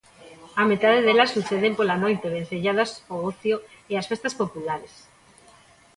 A metade delas suceden pola noite vencelladas ao ocio e ás festas populares.